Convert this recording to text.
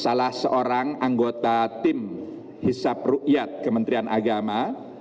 salah seorang anggota tim hisab rukyat kementerian agama